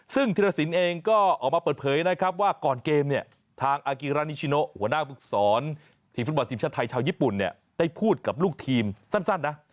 ซึ่งธิรสินเองก็ออกมาเปิดเผยนะครับว่าก่อนเกมเนี่ยทางอากิรานิชิโนหัวหน้าภึกศรทีมฟุตบอลทีมชาติไทยชาวญี่ปุ่นเนี่ยได้พูดกับลูกทีมสั้นนะ